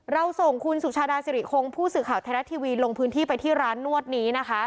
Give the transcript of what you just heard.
เราส่งคุณสุชาดาสิริคงผู้สื่อข่าวไทยรัฐทีวีลงพื้นที่ไปที่ร้านนวดนี้นะคะ